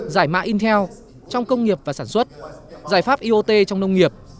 giải mã intel trong công nghiệp và sản xuất giải pháp iot trong nông nghiệp